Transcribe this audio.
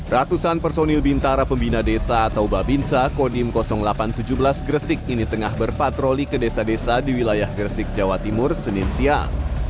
ratusan personil bintara pembina desa atau babinsa kodim delapan ratus tujuh belas gresik ini tengah berpatroli ke desa desa di wilayah gresik jawa timur senin siang